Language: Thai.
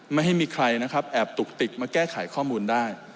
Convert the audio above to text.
ไม่ให้มีใครนะครับแอบตุกติกมาแก้ไขข้อมูลได้